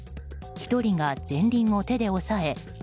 １人が前輪を手で押さえ